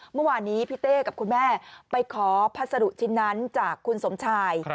เมื่อวานนี้พี่เต้กับคุณแม่ไปขอพัสดุชิ้นนั้นจากคุณสมชาย